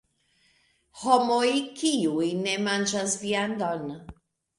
Homoj, kiuj ne manĝas viandon.